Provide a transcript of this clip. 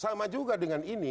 sama juga dengan ini